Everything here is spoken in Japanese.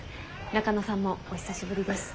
中野さんもお久しぶりです。